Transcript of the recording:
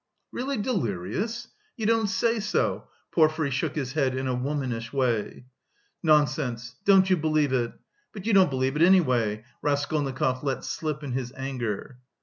"Really delirious? You don't say so!" Porfiry shook his head in a womanish way. "Nonsense! Don't you believe it! But you don't believe it anyway," Raskolnikov let slip in his anger.